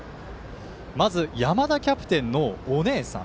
まず山田キャプテンのお姉さん。